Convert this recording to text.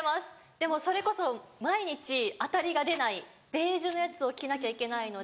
でもそれこそ毎日アタリが出ないベージュのやつを着なきゃいけないので。